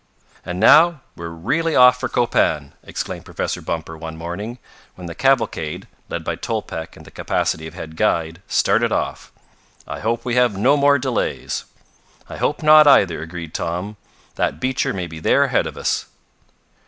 "And now we're really off for Copan!" exclaimed Professor Bumper one morning, when the cavalcade, led by Tolpec in the capacity of head guide, started off. "I hope we have no more delays." "I hope not, either," agreed Tom. "That Beecher may be there ahead of us."